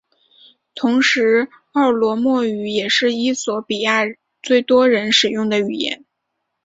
同时奥罗莫语也是衣索比亚最多人使用的语言。